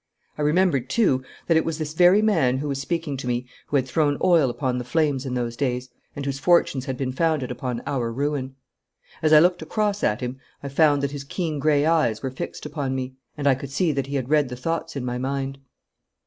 I remembered, too, that it was this very man who was speaking to me who had thrown oil upon the flames in those days, and whose fortunes had been founded upon our ruin. As I looked across at him I found that his keen grey eyes were fixed upon me, and I could see that he had read the thoughts in my mind.